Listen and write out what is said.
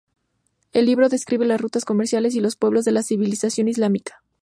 El libro describe las rutas comerciales y los pueblos de la civilización islámica.